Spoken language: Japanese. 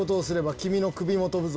君のクビも飛ぶぞ。